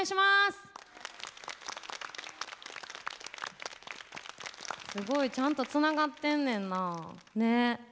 すごいちゃんとつながってんねんな。ね。